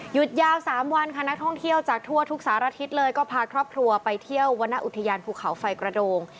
ยาว๓วันค่ะนักท่องเที่ยวจากทั่วทุกสารทิศเลยก็พาครอบครัวไปเที่ยววรรณอุทยานภูเขาไฟกระโดง